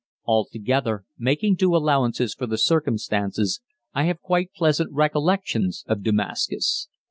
Altogether, making due allowances for the circumstances, I have quite pleasant recollections of Damascus.